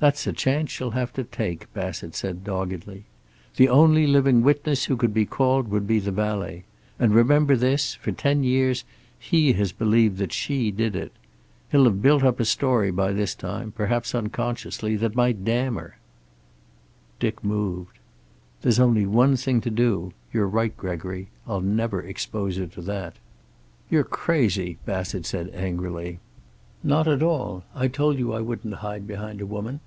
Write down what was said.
"That's a chance she'll have to take," Bassett said doggedly. "The only living witness who could be called would be the valet. And remember this: for ten years he has believed that she did it. He'll have built up a story by this time, perhaps unconsciously, that might damn her." Dick moved. "There's only one thing to do. You're right, Gregory. I'll never expose her to that." "You're crazy," Bassett said angrily. "Not at all. I told you I wouldn't hide behind a woman.